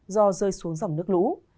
do rơi xuống dòng nước lũ